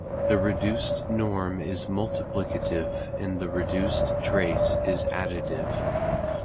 The reduced norm is multiplicative and the reduced trace is additive.